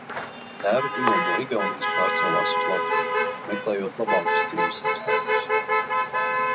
Tēva ģimene no Igaunijas pārcēlās uz Latviju, meklējot labākus dzīves apstākļus.